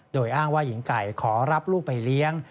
โดยอ้างว่าหญิงไก่ขอรับลูกไปเลี้ยง